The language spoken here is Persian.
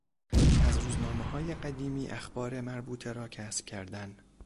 از روزنامههای قدیمی اخبار مربوطه را کسب کردن